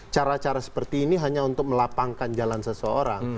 cara cara seperti ini hanya untuk melapangkan jalan seseorang